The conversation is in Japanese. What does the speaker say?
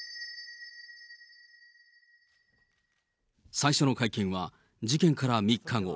最初の会見は事件から３日後。